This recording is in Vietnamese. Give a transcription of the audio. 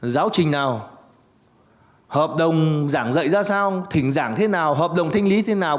giáo trình nào hợp đồng giảng dạy ra sao thỉnh giảng thế nào hợp đồng thanh lý thế nào